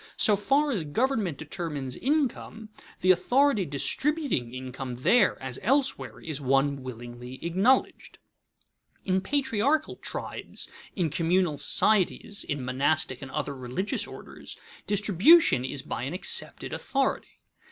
So far as government determines income, the authority distributing income there, as elsewhere, is one willingly acknowledged. [Sidenote: In communities and families] In patriarchal tribes, in communal societies, in monastic and other religious orders distribution is by an accepted authority.